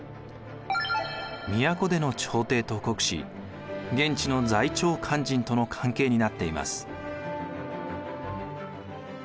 都での朝廷と国司現地の在庁官人との関係になっています。